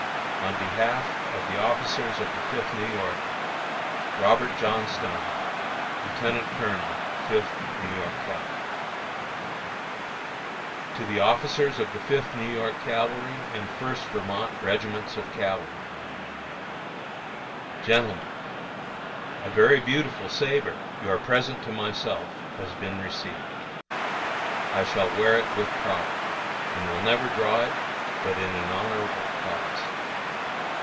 On behalf of the officers of the Fifth New York, ROBERT JOHNSTONE, Lieutenant Colonel, Fifth New York Cavalry. To the Officers of the Fifth New York and First Vermont Regiments of Cavalry: OSWEGO, N. Y., 1862. GENTLEMEN: A very beautiful sabre, your present to myself, has been received. I shall wear it with pride, and will never draw it but in an honorable cause.